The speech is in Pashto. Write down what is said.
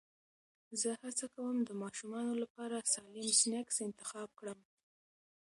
زه هڅه کوم د ماشومانو لپاره سالم سنکس انتخاب کړم.